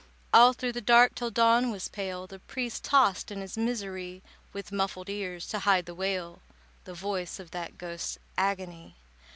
All through the dark, till dawn was pale, The priest tossed in his misery, With muffled ears to hide the wail, The voice of that ghost's agony.